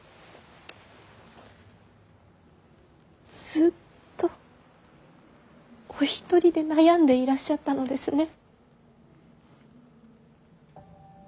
ずっとお一人で悩んでいらっしゃったのですね。